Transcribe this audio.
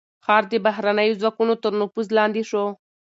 ښار د بهرنيو ځواکونو تر نفوذ لاندې شو.